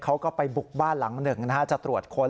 เขาก็ไปบุกบ้านหลังหนึ่งนะฮะจะตรวจค้น